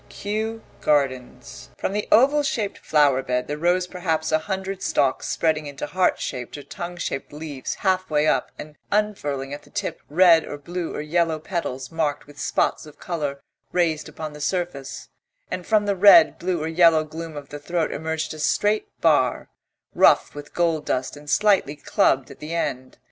KEW GARDENS From the oval shaped flower bed there rose perhaps a hundred stalks spreading into heart shaped or tongue shaped leaves half way up and unfurling at the tip red or blue or yellow petals marked with spots of colour raised upon the surface; and from the red, blue or yellow gloom of the throat emerged a straight bar, rough with gold dust and slightly clubbed at the end.